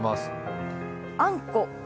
あんこ？